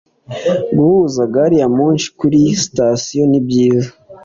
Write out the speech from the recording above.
Guhuza gari ya moshi kuriyi sitasiyo ni byiza.